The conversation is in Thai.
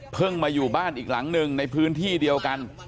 มาอยู่บ้านอีกหลังหนึ่งในพื้นที่เดียวกัน